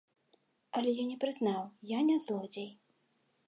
Але я не прызнаў, я не злодзей.